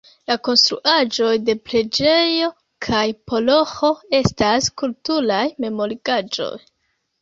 La konstruaĵoj de preĝejo kaj paroĥo estas kulturaj memorigaĵoj.